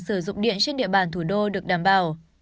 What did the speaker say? sử dụng điện trên địa bàn thủ đô được đảm bảo